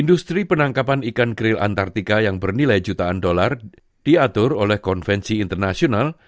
industri penangkapan ikan kril antartika yang bernilai jutaan dolar diatur oleh konvensi internasional